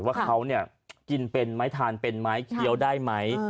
ว่าเขากินเป็นไม้ทานเป็นไม้เคี้ยวได้ไหม